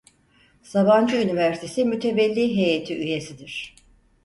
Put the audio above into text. Sabancı Üniversitesi Mütevelli Heyeti üyesidir.